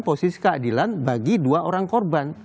posisi keadilan bagi dua orang korban